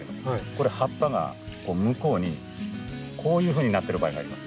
これ葉っぱが向こうにこういうふうになってる場合があります。